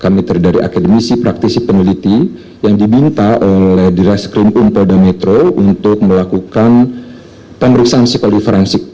kami terdiri dari akademisi praktisi peneliti yang dibinta oleh direskrimum prodamitro untuk melakukan pengeriksan psikologi forensik